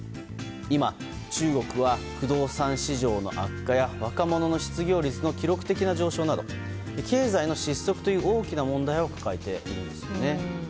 今、中国は不動産市場の悪化や若者の失業率の記録的な上昇など経済の失速という大きな問題を抱えているんですよね。